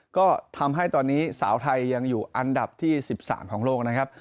ก็ทำให้ตอนนี้สาวไทยยังอยู่อันดับที่๑๓ของโลกนะครับ